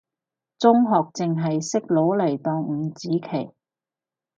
中學淨係識攞嚟當五子棋，